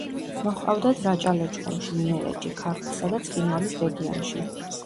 მოჰყავდათ რაჭა-ლეჩხუმში, იმერეთში, ქართლსა და ცხინვალის რეგიონში.